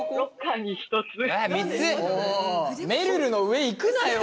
めるるの上いくなよ！